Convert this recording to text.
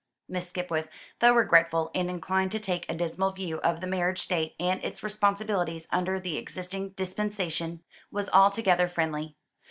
Miss Skipwith, though regretful, and inclined to take a dismal view of the marriage state and its responsibilities under the existing dispensation, was altogether friendly.